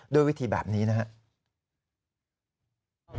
ด้วยวิธีแบบนี้นะครับ